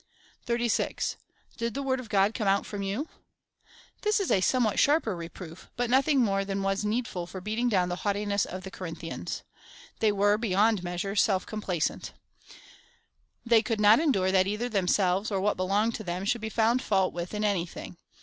36. Did the word of God come out from you ? This is a somewhat sharj)er reproof, but nothing more than was need ful for beating down the haughtiness of the Corinthians. They were, beyond measure, self complacent. They could not endure that either themselves, or what belonged to them, should be found fault with in anything.